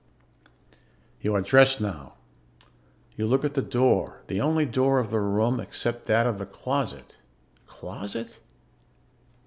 You are dressed now. You look at the door the only door of the room except that of the closet (closet?)